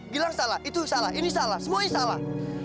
bilang salah itu salah ini salah semuanya salah